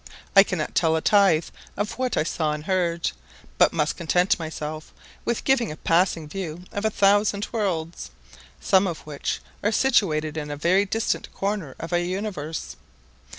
I cannot even tell a tithe of what I saw and heard, but must content myself with giving a passing view of a thousand worlds, some of which are situated in a very distant corner of our universe.